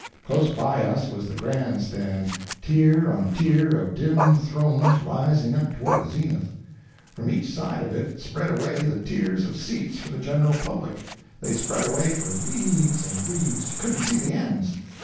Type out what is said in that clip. Close by us was the Grand Stand—tier on tier of dim thrones rising up toward the zenith. From each side of it spread away the tiers of seats for the general public. They spread away for leagues and leagues—you couldn't see the ends.